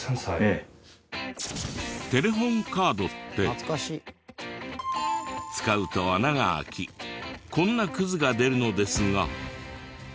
テレホンカードって使うと穴が開きこんなクズが出るのですが。